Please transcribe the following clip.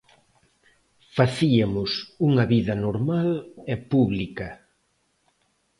Facíamos unha vida normal e pública.